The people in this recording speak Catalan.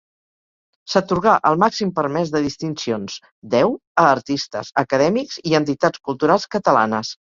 S'atorgà el màxim permès de distincions, deu, a artistes, acadèmics i entitats culturals catalanes.